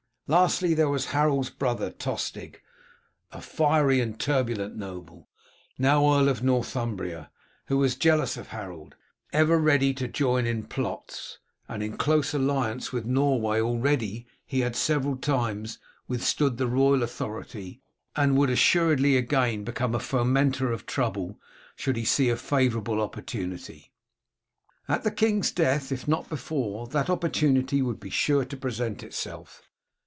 Lastly, there was Harold's brother Tostig, a fiery and turbulent noble, now Earl of Northumbria, who was jealous of Harold, ever ready to join in plots, and in close alliance with Norway already; he had several times withstood the royal authority, and would assuredly again become a fomenter of trouble should he see a favourable opportunity. At the king's death, if not before, that opportunity would be sure to present itself.